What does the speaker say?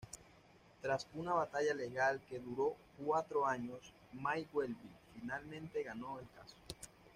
Tras una batalla legal que duró cuatro años, May-Welby finalmente ganó el caso.